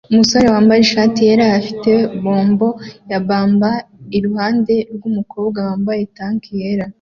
Umusore wambaye ishati yera afite bombo ya pamba iruhande rwumukobwa wambaye tank yera